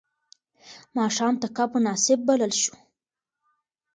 ماښام ته کب مناسب بلل شو.